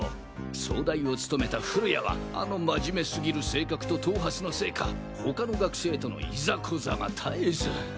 総代を務めた降谷はあの真面目過ぎる性格と頭髪のせいか他の学生とのイザコザが絶えず。